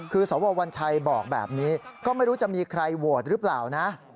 คือสววัญชัยบอกแบบนี้ก็ไม่รู้จะมีใครโหวตหรือเปล่านะ